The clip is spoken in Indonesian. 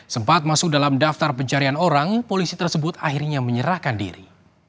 sempat masuk dalam daftar pencarian orang polisi tersebut akhirnya menyerahkan diri